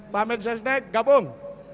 pak mensesnek gabung